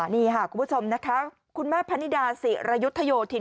นี่ค่ะคุณผู้ชมนะคะคุณแม่พนิดาศิรยุทธโยธิน